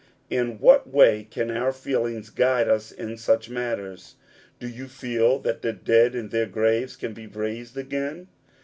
In what way can our feelings guide us in such matters ? Do you feel that the dead in their graves can be raised again